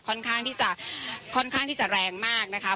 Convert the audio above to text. ค่อนข้างที่จะค่อนข้างที่จะแรงมากนะคะ